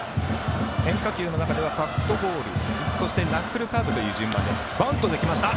変化球の中ではカットボール、ナックルカーブという順番です。